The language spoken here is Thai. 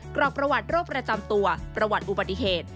กรอกประวัติโรคประจำตัวประวัติอุบัติเหตุ